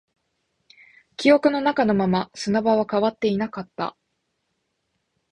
記憶の中のまま、砂場は変わっていなかった